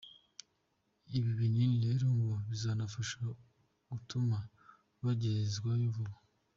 Ibi binini rero ngo bikazabafasha mu gutuma bagezwayo vuba.